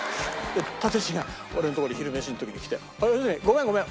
殺陣師が俺んとこに昼飯の時に来て「良純ごめんごめん。